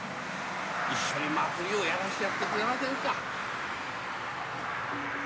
一緒に祭りをやらしてやってくれませんか。